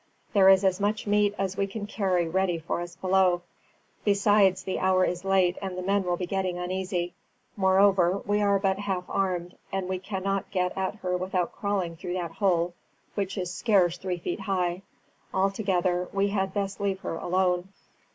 There is as much meat as we can carry ready for us below. Besides, the hour is late and the men will be getting uneasy. Moreover, we are but half armed; and we cannot get at her without crawling through that hole, which is scarce three feet high. Altogether, we had best leave her alone."